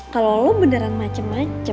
kalau lo beneran macem macem